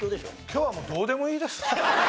今日はもうどうでもいいです。